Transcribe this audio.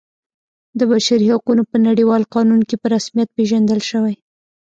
د بشري حقونو په نړیوال قانون کې په رسمیت پیژندل شوی.